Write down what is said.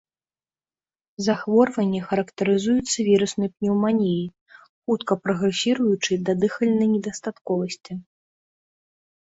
Захворванне характарызуецца віруснай пнеўманіяй, хутка прагрэсіруючай да дыхальнай недастатковасці.